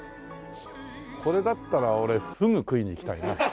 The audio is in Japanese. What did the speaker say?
これだったら俺フグ食いに行きたいな。